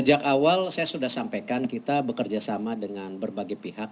sejak awal saya sudah sampaikan kita bekerja sama dengan berbagai pihak